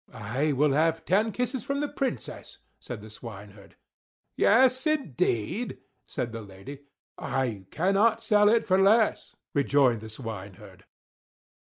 "I will have ten kisses from the Princess," said the swineherd. "Yes, indeed!" said the lady. "I cannot sell it for less," rejoined the swineherd.